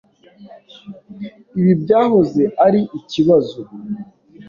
Ibi byahoze ari ikibazo.